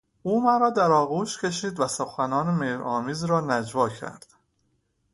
او مرا در آغوش کشید و سخنان مهرآمیزی را نجوا کرد.